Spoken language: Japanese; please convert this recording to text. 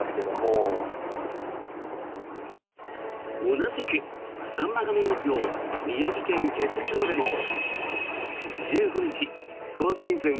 同じくサンマが名物の宮城県気仙沼でも１５日、今シーズン